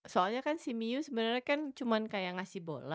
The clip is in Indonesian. soalnya kan si miyu sebenarnya kan cuman kayak ngasih bola